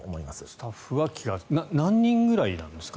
スタッフは気がつかない何人ぐらいなんですか？